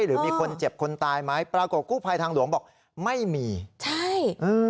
หรือมีคนเจ็บคนตายไหมปรากฏกู้ภัยทางหลวงบอกไม่มีใช่อืม